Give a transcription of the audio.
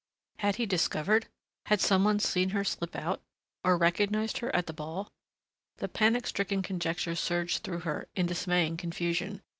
Had he discovered? Had some one seen her slip out? Or recognized her at the ball? The panic stricken conjectures surged through her in dismaying confusion.